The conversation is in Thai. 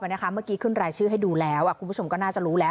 เมื่อกี้ขึ้นรายชื่อให้ดูแล้วคุณผู้ชมก็น่าจะรู้แล้ว